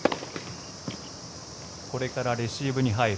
これからレシーブに入る。